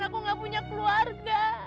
aku gak punya keluarga